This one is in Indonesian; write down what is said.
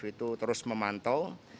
itu terus memantau